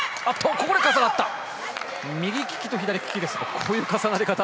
ここで重なった！